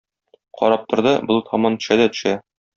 Карап торды, болыт һаман төшә дә төшә.